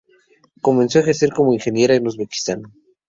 Comenzó a ejercer como ingeniera en Uzbekistán.